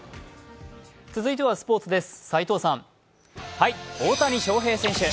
続いてはスポーツです。